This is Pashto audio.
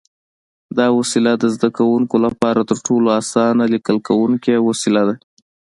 دا وسیله د زده کوونکو لپاره تر ټولو اسانه لیکل کوونکی وسیله ده.